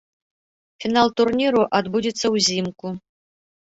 Фінал турніру адбудзецца ўзімку.